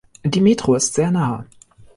Die Metro ist sehr nahe.